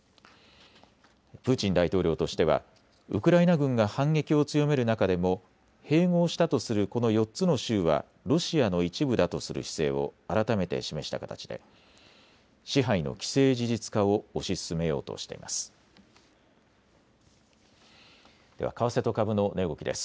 プーチン大統領としてはウクライナ軍が反撃を強める中でも併合したとするこの４つの州はロシアの一部だとする姿勢を改めて示した形で支配の既成事実化を推し進めようとしています。